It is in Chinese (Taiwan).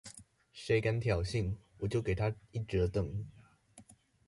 誰敢挑釁，我就給他一折凳！